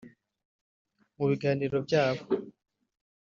Mu biganiro byabo